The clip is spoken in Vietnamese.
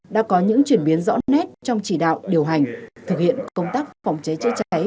đã có những chuyển biến rõ nét trong chỉ đạo điều hành thực hiện công tác phòng cháy chữa cháy